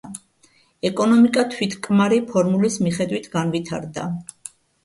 ეკონომიკა თვითკმარი ფორმულის მიხედვით განვითარდა.